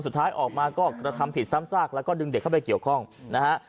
สุดท้ายออกมาก็กระทำผิดซ้ำซากแล้วก็ดึงเด็กเข้าไปเกี่ยวข้องนะฮะ